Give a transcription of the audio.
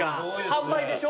販売でしょ？